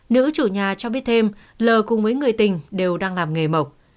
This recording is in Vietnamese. nữ chủ nhà cho biết thêm lờ cùng với người tình đều đang làm nghề mộc